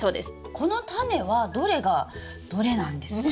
このタネはどれがどれなんですか？